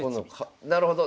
なるほど。